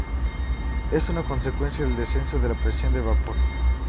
Es una consecuencia del descenso de la presión de vapor.